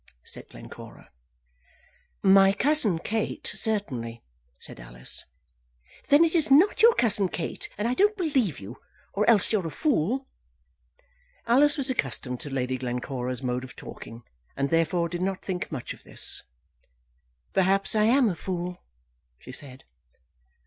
said Glencora. "My cousin Kate, certainly," said Alice. "Then it is not your cousin Kate. And I don't believe you; or else you're a fool." Alice was accustomed to Lady Glencora's mode of talking, and therefore did not think much of this. "Perhaps I am a fool," she said.